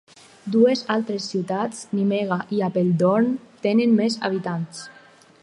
Dues altres ciutats, Nimega i Apeldoorn tenen més habitants.